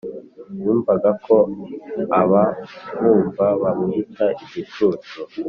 yumvaga ko abamwumva bamwita igicucu?